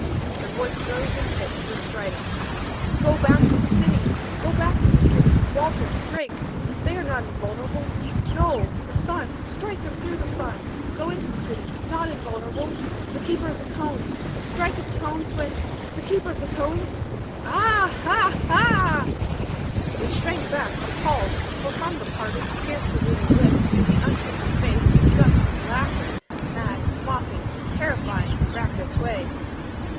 The voice rose in pitch, grew strident. "Go back to the city! Go back to the city! Walter Drake. They are not invulnerable. No! The sun strike them through the sun! Go into the city not invulnerable the Keeper of the Cones strike at the Cones when the Keeper of the Cones ah h h ah " We shrank back appalled, for from the parted, scarcely moving lips in the unchanging face a gust of laughter, mad, mocking, terrifying, racked its way.